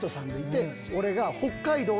俺が。